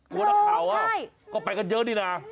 กลัวได้หรอก็ไปกันเยอะดีน่ะโอ้โฮใช่